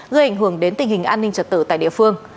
gây ảnh hưởng đến tình hình an ninh trật tự tại địa phương